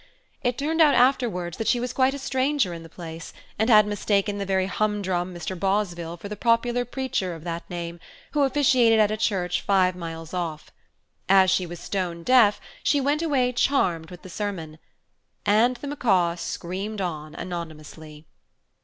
It turned out afterwards that she was quite a stranger in the place, and had mistaken the very humdrum Mr. Bosville for the popular preacher of that name, who officiated at a church five miles off. As she was stone deaf, she went away charmed with the sermon. And the macaw screamed on anonymously.